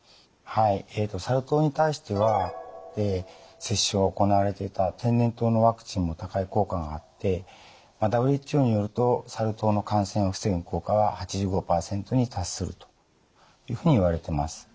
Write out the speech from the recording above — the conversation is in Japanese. はいサル痘に対しては接種が行われていた天然痘のワクチンも高い効果があってＷＨＯによるとサル痘の感染を防ぐ効果は８５％に達するというふうにいわれてます。